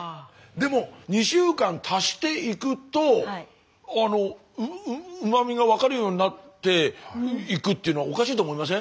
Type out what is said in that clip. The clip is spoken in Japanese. でも２週間足していくとうま味が分かるようになっていくっていうのはおかしいと思いません？